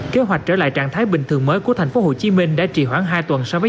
kế hoạch trở lại trạng thái bình thường mới của thành phố hồ chí minh đã trì hoãn hai tuần so với